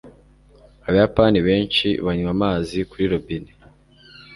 abayapani benshi banywa amazi kuri robine